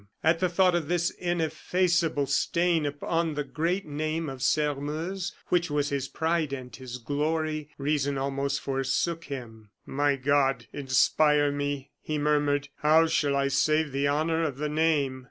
At the thought of this ineffaceable stain upon the great name of Sairmeuse, which was his pride and his glory, reason almost forsook him. "My God, inspire me," he murmured. "How shall I save the honor of the name?"